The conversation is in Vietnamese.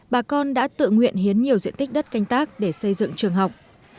bà con đã tự nguyện hiến nhiều diện tích đất canh tác để xây dựng trường học